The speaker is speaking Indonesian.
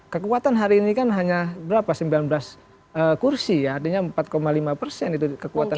kekuatan hari ini kan hanya berapa sembilan belas kursi ya artinya empat lima persen itu kekuatannya